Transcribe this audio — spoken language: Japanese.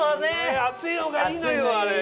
厚い方がいいのよあれが！